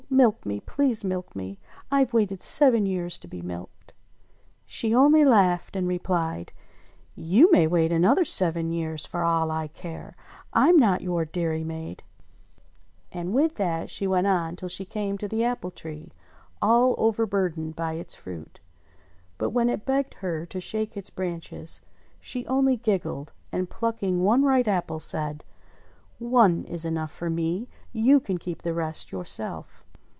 Milk me! Please milk me, Tve waited seven years to be milked ■" She only laughed and replied, "You may wait another seven years for all I care. I'm not your dairymaid !" And with that she went on till she came to the apple tree, all overburdened by its fruit. But when it begged her to shake its branches, she only giggled, and plucking one ripe apple, said : "One is enough for me : you can keep the rest yourself."